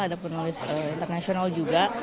ada penulis internasional juga